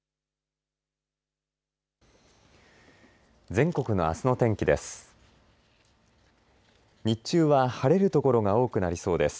全国のあすの天気です。